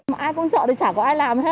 ai cũng sợ thì chả có ai làm hết